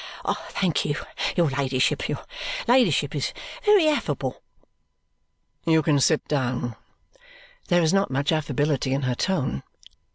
"Thank your ladyship. Your ladyship is very affable." "You can sit down." There is not much affability in her tone.